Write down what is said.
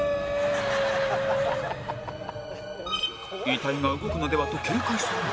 遺体が動くのでは？と警戒する